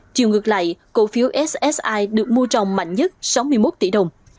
chiều ngược lại cổ phiếu ssi được mua trồng mạnh nhất sáu mươi một tỷ đồng